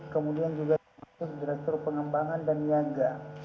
kemudian juga termasuk direktur pengembangan dan niaga